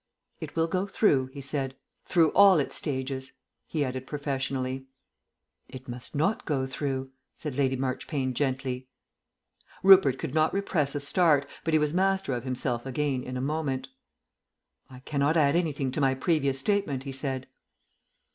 "It will go through," he said. "Through all its stages," he added professionally. "It must not go through," said Lady Marchpane gently. Rupert could not repress a start, but he was master of himself again in a moment. "I cannot add anything to my previous statement," he said.